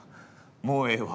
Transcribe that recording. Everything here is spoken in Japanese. もうええわ。